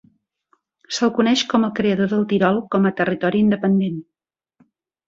Se'l coneix com el creador del Tirol com a territori independent.